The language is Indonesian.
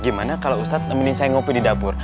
gimana kalau ustadz ini saya ngopi di dapur